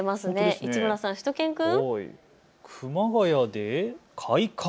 市村さん、しゅと犬くん。